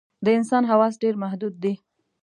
د انسان حواس ډېر محدود دي.